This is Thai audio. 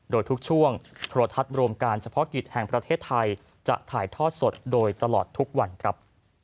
โดยทุกช่วงโทรทัศน์รวมการเฉพาะกิจแห่งประเทศไทยจะถ่ายทอดสดโดยตลอดทุกวันครับ